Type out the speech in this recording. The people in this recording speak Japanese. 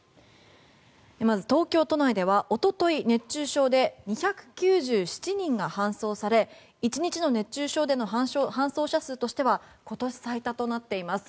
まず東京都内ではおととい熱中症で２９７人が搬送され１日の熱中症での搬送者数としては今年最多となっています。